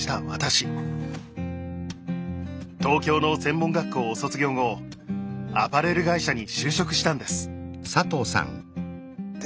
東京の専門学校を卒業後アパレル会社に就職したんです。